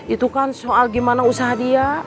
itu kan soal gimana usaha dia